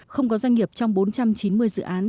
không có doanh nghiệp trong bốn trăm chín mươi dự án